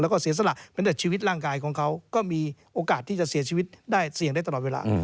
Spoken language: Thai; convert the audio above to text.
แล้วก็เสียสละเหมือนแต่ชีวิตร่างกายของเขาก็มีโอกาสที่จะเสียชีวิตได้เสี่ยงได้ตลอดเวลา